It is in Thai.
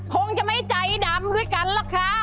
คงจะไม่ใจดำด้วยกันหรอกค่ะ